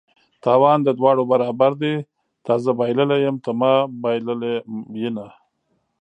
تاوان د دواړه برابر دي: تا زه بایللي یم ته ما بایلله ینه